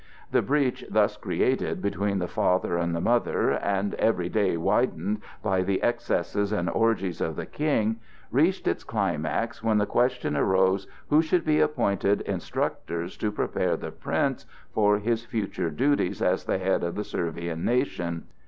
The breach thus created between the father and the mother, and every day widened by the excesses and orgies of the King, reached its climax when the question arose who should be appointed instructors to prepare the prince for his future duties as the head of the Servian nation.